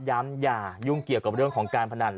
อย่ายุ่งเกี่ยวกับเรื่องของการพนัน